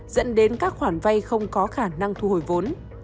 dẫn đến các khoản vay không có khả năng thu hồi vốn